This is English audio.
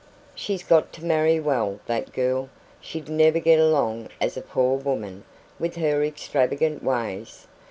She's got to marry well, that girl; she'd never get along as a poor woman, with her extravagant ways.